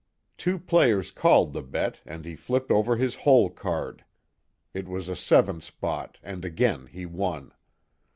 Two players called the bet and he flipped over his hole card it was a seven spot and again he won.